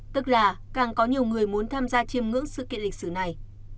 tức là càng có nhiều người muốn tham gia chiêm ngưỡng sự kiện lịch sử này